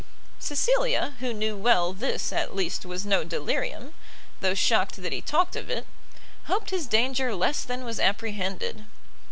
Cecilia, who knew well this, at least, was no delirium, though shocked that he talked of it, hoped his danger less than was apprehended.